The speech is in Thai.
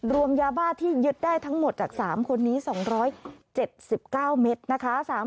รวมยาบ้าที่ยึดได้ทั้งหมดจาก๓คนนี้๒๗๙เมตรนะคะ